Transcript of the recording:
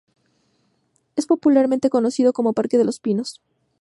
Es popularmente conocido como Parque de los Pinos.